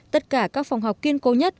tất cả các phòng học kiên cố nhất